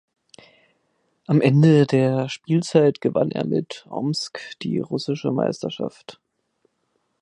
Am Ende der Spielzeit gewann er mit Omsk die russische Meisterschaft.